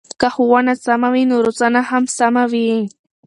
که ښوونه سمه وي نو روزنه هم سمه وي.